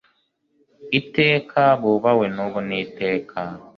iteka ; bubahwe n'ubu n'iteka